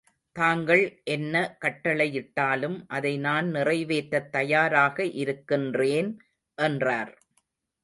தாங்கள் என்ன கட்டளையிட்டாலும் அதை நான் நிறைவேற்றத் தயாராக இருக்கின்றேன் என்றார்.